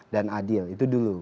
dan adil itu dulu